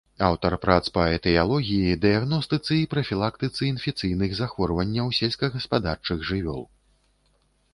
Аўтар прац па этыялогіі, дыягностыцы і прафілактыцы інфекцыйных захворванняў сельскагаспадарчых жывёл.